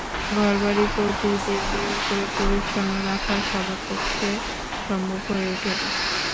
ঘরবাড়ি প্রতিদিন নিয়ম করে পরিচ্ছন্ন রাখা সবার পক্ষে সম্ভব হয়ে ওঠে না।